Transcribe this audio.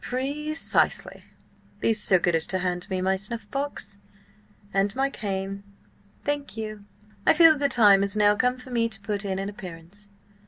"Pre cisely. Be so good as to hand me my snuffbox. And my cane. Thank you. I feel the time has now come for me to put in an appearance.